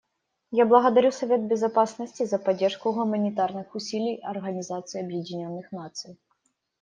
Я благодарю Совет Безопасности за поддержку гуманитарных усилий Организации Объединенных Наций.